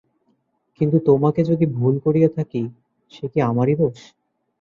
কিন্তু তোমাকে যদি ভুল করিয়া থাকি, সে কি আমারই দোষ।